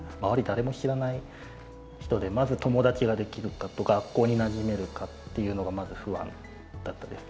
誰も知らない人でまず友達ができるか学校になじめるかっていうのがまず不安だったです。